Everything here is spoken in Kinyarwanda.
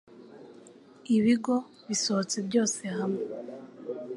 Ibigo bisohotse byose hamwe